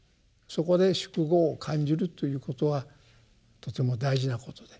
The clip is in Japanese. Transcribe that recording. そこで「宿業」を感じるということはとても大事なことで。